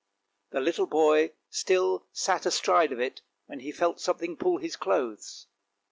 The little boy still sat astride of it, when he felt something pull his clothes.